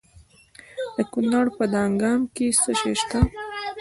د کونړ په دانګام کې څه شی شته؟